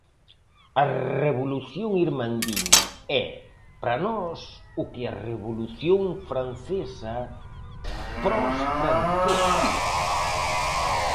A Revolución Irmandiña é para nós o que a Revolución Francesa para os franceses.